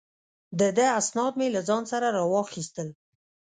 د ده اسناد مې له ځان سره را واخیستل.